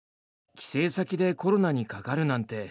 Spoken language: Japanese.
帰省先でコロナにかかるなんて。